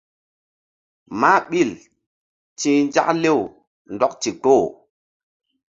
Mah ɓil ti̧h nzak lew ndɔk ndikpoh.